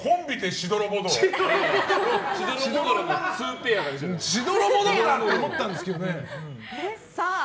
しどろもどろだ！って思ったんですけどね。